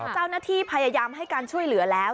เจ้าหน้าที่พยายามให้การช่วยเหลือแล้ว